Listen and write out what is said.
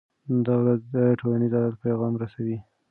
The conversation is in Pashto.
دا ورځ د ټولنیز عدالت پیغام رسوي.